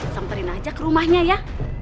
semperin aja ke rumahnya ya